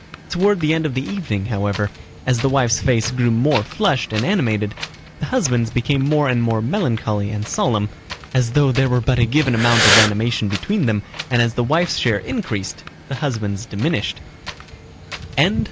Toward the end of the evening, however, as the wife's face grew more flushed and animated, the husband's became more and more melancholy and solemn, as though there were but a given amount of animation between them and as the wife's share increased the husband's diminished.